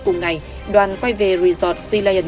cùng ngày đoàn quay về resort sea lion